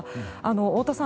太田さん